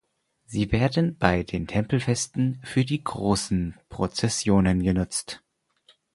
Sie werden bei den Tempelfesten für die großen Prozessionen genutzt.